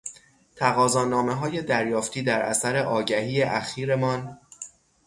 تقاضانامههای دریافتی در اثر آگهی اخیرمان